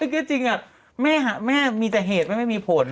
ก็จริงแหร่ะม่ามีแต่เหตุมันไม่มีผล